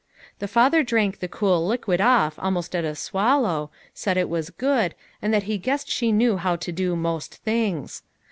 The father drank the cool liquid off almost at a swallow, said it was good, and that he guessed she knew how to do most things.